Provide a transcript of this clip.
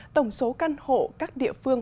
tổng số căn hộ các địa phương